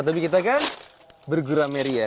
tapi kita kan bergurameri ya